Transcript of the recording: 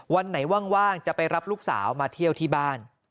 วันไหนว่างจะไปรับลูกสาวมาเที่ยวที่บ้าน